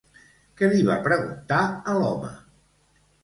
Què li va preguntar a l'home?